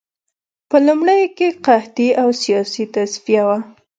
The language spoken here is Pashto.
په لومړیو کې قحطي او سیاسي تصفیه وه